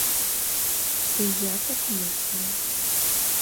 І я так мыслю.